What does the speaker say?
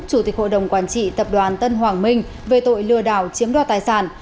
chủ tịch hội đồng quản trị tập đoàn tân hoàng minh về tội lừa đảo chiếm đoạt tài sản